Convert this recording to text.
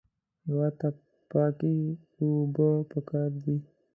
هېواد ته پاکې اوبه پکار دي